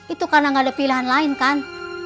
itu karena gak ada pilihan lain kan